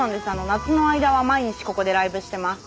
夏の間は毎日ここでライブしてます。